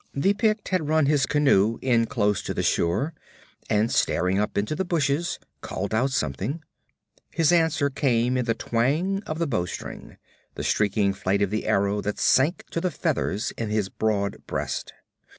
The Pict had run his canoe in close to the shore, and staring up into the bushes, called out something. His answer came in the twang of the bow string, the streaking flight of the arrow that sank to the feathers in his broad breast.